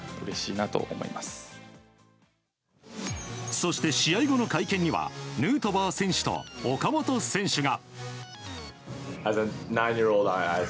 そして、試合後の会見にはヌートバー選手と岡本選手が。